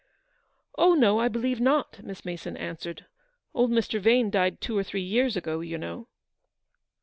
" Oh, no, I believe not," Miss Mason answered; " old Mr. Vane died two or three years ago, you know."